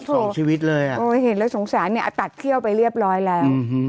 เสียชีวิตเลยอ่ะโอ้เห็นแล้วสงสารเนี่ยตัดเขี้ยวไปเรียบร้อยแล้ว